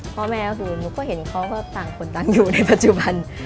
พ่อแม่ดูหนูก็เห็นเขาก็ต่างคนต่างอยู่ในปัจจุบัน